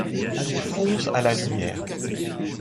Il fonce à la lumière.